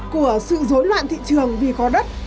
của sự dối loạn thị trường vì có đất